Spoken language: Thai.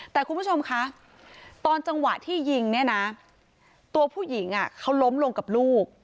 แต่คุณผู้ชมคะตอนจังหวะที่ยิงเนี่ยนะตัวผู้หญิงเขาล้มลงกับลูก